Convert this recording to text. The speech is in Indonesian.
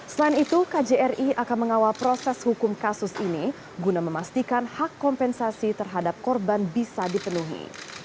selain itu kjri akan mengawal proses hukum kasus ini guna memastikan hak kompensasi terhadap korban bisa dipenuhi